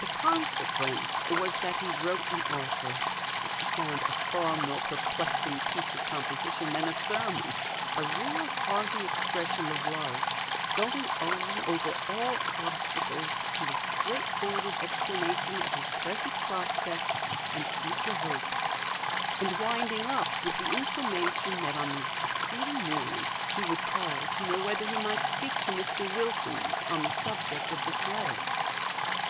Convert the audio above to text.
The consequence was that he wrote an offer, which he found a far more perplexing piece of composition than a sermon; a real hearty expression of love, going on, over all obstacles, to a straightforward explanation of his present prospects and future hopes, and winding up with the information that on the succeeding morning he would call to know whether he might speak to Mr. Wilkins on the subject of this letter.